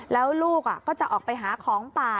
แล้วลูกก็จะออกไปหาของป่า